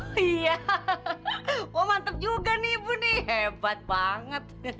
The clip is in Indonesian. oh iya wah mantep juga nih ibu hebat banget